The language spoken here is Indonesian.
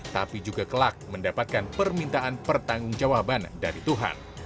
tapi juga kelak mendapatkan permintaan pertanggung jawaban dari tuhan